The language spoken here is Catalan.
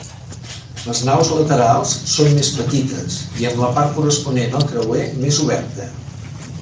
Les naus laterals són més petites i amb la part corresponent al creuer més oberta.